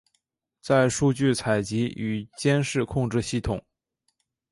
在数据采集与监视控制系统。